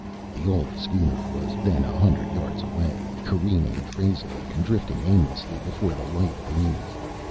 The old schooner was then a hundred yards away, careening crazily, and drifting aimlessly before the light breeze.